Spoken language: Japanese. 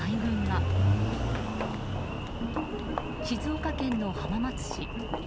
静岡県の浜松市。